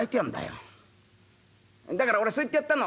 だから俺そう言ってやったの。